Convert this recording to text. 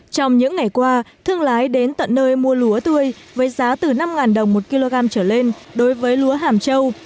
trong những ngày qua thương lái đến tận nơi mua lúa tươi với giá từ năm đồng một kg trở lên đối với lúa hàm châu